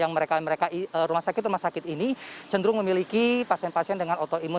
yang mereka mereka rumah sakit rumah sakit ini cenderung memiliki pasien pasien dengan autoimun